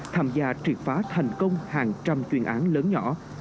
tham gia triệt phá thành công hàng trăm chuyên án lớn nhỏ